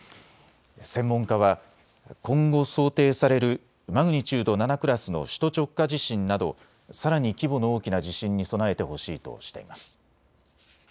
専門家は今後想定されるマグニチュード７クラスの首都直下地震などさらに規模の大きな地震に備えてほしいとしています。